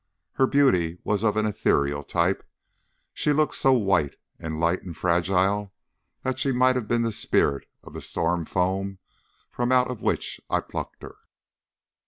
Her beauty was of an ethereal type. She looked so white and light and fragile that she might have been the spirit of that storm foam from out of which I plucked her.